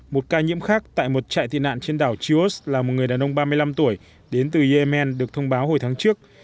một ca nhiễm khác tại một trại tị nạn trên đảo chios là một người đàn ông ba mươi năm tuổi đến từ yemen được thông báo hồi tháng trước